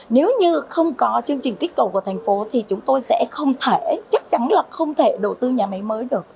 nếu như không có chương trình kích cầu của thành phố thì chúng tôi sẽ không thể chắc chắn là không thể đầu tư nhà máy mới được